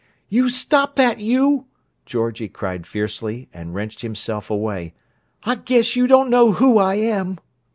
"You stop that, you!" Georgie cried fiercely; and wrenched himself away. "I guess you don't know who I am!"